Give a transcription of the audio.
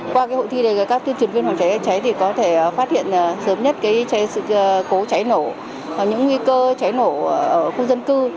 qua hội thi này các tuyên truyền viên phòng cháy cháy cháy thì có thể phát hiện sớm nhất sự cố cháy nổ những nguy cơ cháy nổ ở khu dân cư